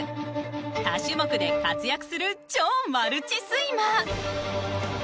多種目で活躍する超マルチスイマー。